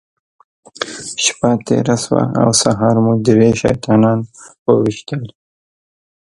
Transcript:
شپه تېره شوه او سهار مو درې شیطانان وويشتل.